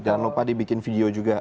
dan lupa dibikin video juga